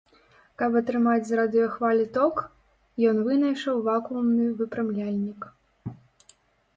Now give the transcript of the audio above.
Каб атрымаць з радыёхвалі ток, ён вынайшаў вакуумны выпрамляльнік.